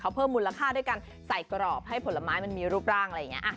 เพิ่มมูลค่าด้วยการใส่กรอบให้ผลไม้มันมีรูปร่างอะไรอย่างนี้